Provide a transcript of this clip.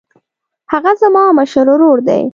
هغه زما مشر ورور دی